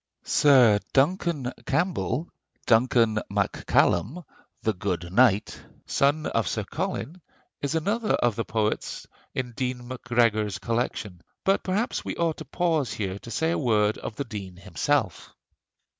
Sir Duncan Campbell, "Duncan Mac Cailem, the good knight," son of Sir Colin, is another of the poets in Dean Macgregor's collection; but perhaps we ought to pause here to say a word of the Dean himself.